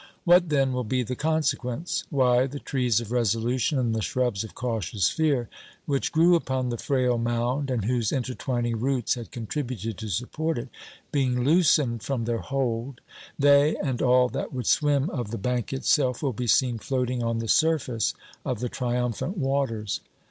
What then will be the consequence? Why, the trees of resolution, and the shrubs of cautious fear, which grew upon the frail mound, and whose intertwining roots had contributed to support it, being loosened from their hold, they, and all that would swim of the bank itself, will be seen floating on the surface of the triumphant waters.